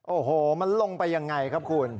โอ้โหมันลงไปยังไงครับคุณ